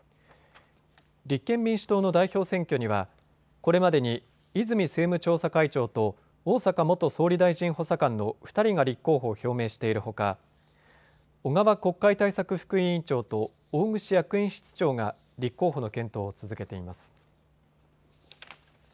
立憲民主党の代表選挙にはこれまでに泉政務調査会長と逢坂元総理大臣補佐官の２人が立候補を表明しているほか小川国会対策副委員長と大串役員室長が立候補の検討を続けています。